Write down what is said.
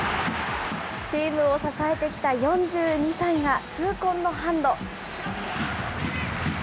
チームを支えてきた４２歳が、痛恨のハンド。